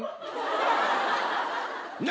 何！？